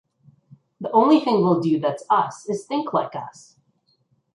The only thing we’ll do that’s us is think like us!